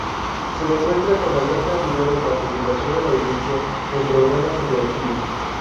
Se demuestra con la gran cantidad de participación de la audiencia en programas interactivos.